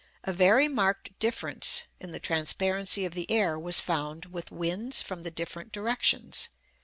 A very marked difference in the transparency of the air was found with winds from the different directions.